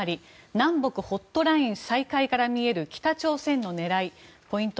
南北ホットライン再開から見える北朝鮮の狙いポイント